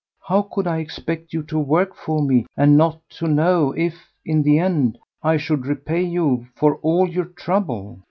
How could I expect you to work for me and not to know if, in the end, I should repay you for all your trouble?